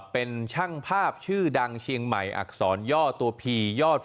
เป็นช่างภาพชื่อดังเชียงใหม่อักษรย่อตัวพียอด